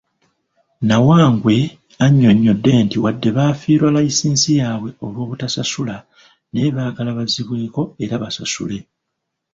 Nawangwe annyonnyodde nti wadde baafiirwa layisinsi yaabwe olw'obutasasula naye baagala bazzibweko era basasule.